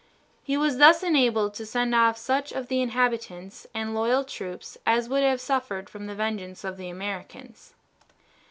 He was thus enabled to send off such of the inhabitants and loyalist troops as would have suffered from the vengeance of the Americans.